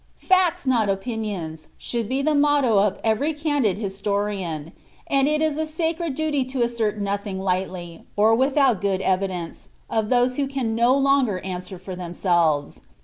Facts, not opinions," should be the motto of every candid histo rian ; and it is a sacred duty to assert nothing lightly, or without good evklence, of those who can no longer answer for themselves.